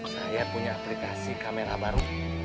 saya punya aplikasi kamera baru